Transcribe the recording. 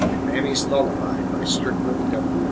_ MAMMY'S LULLABY BY STRICKLAND W.